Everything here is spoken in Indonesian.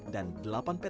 dan delapan ptn ses